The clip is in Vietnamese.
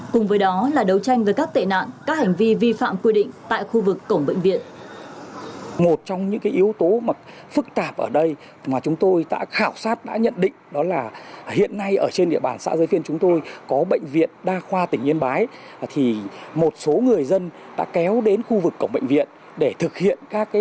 cùng với đó là đấu tranh với các tệ nạn các hành vi vi phạm quy định tại khu vực cổng bệnh viện